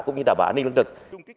cũng như đảm bảo an ninh lân tực